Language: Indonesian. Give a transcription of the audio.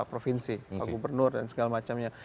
provinsi pak gubernur dan segala macamnya